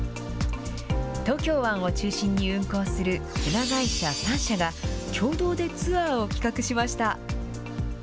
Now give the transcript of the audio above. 東京湾を中心に運航する船会社３社が共同でツアーを企画しました。